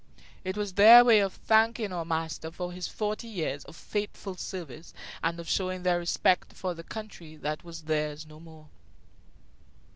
It was their way of thanking our master for his forty years of faithful service and of showing their respect for the country that was theirs no more.